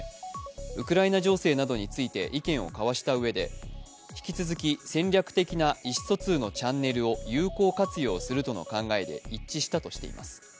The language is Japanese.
ウクライナ情勢などについて意見を交わしたうえで引き続き戦略的な意思疎通のチャンネルを有効活用するとの考えで一致したとしています。